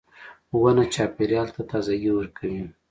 • ونه چاپېریال ته تازهګۍ ورکوي.